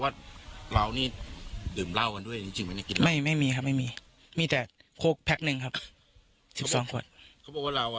ดื่มเองกองฮอล์เลยครับ